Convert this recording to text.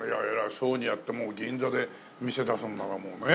そういうふうにやってもう銀座で店出すんだもんね。